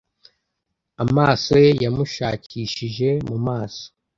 Amaso ye yamushakishije mu maso